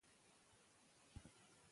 سالم ماشومان سالم فکر او مثبت چلند لري.